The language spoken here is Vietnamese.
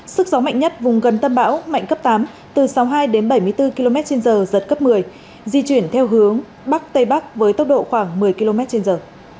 sức gió mạnh nhất vùng gần tâm bão mạnh cấp tám từ sáu mươi hai đến bảy mươi bốn km trên giờ giật cấp một mươi di chuyển theo hướng bắc tây bắc với tốc độ khoảng một mươi km trên giờ